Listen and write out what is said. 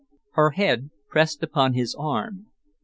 Her head pressed upon his arm.